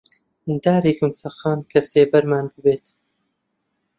دارێکم چەقاند کە سێبەرمان ببێت